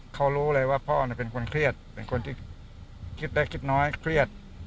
เขารู้เลยว่าพ่อเป็นคนเครียดเป็นคนที่คิดได้คิดน้อยเครียด